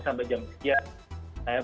sampai jam sekian saya